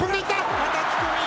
はたき込み。